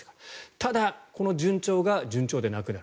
ただ、この順調が順調でなくなる。